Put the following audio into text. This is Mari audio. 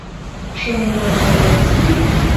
Шым онар ала ок сеҥе?